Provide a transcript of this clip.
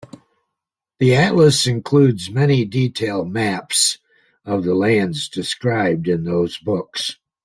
"The Atlas" includes many detailed maps of the lands described in those books.